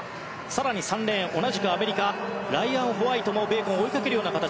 更に３レーン、同じくアメリカライアン・ホワイトもベーコンを追いかける形。